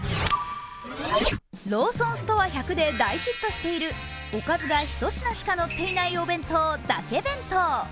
ローソンストア１００で大ヒットしているおかずが１品しかのっていないお弁当、だけ弁当。